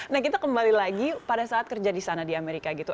nah kita kembali lagi pada saat kerja di sana di amerika gitu